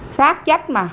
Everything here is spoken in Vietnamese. sát chất mà